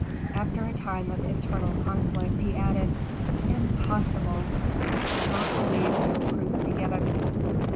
After a time of internal conflict he added, "Impossible! I shall not believe till proof be given."